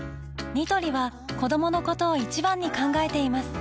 ニトリは子どものことを一番に考えています